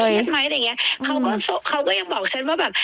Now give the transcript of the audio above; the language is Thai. เครียดไหมอะไรอย่างนี้เขาก็ยังบอกฉันว่าแบบ